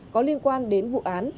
có liên quan đến vụ án